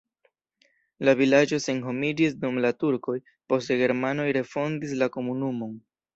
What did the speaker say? La vilaĝo senhomiĝis dum la turkoj, poste germanoj refondis la komunumon.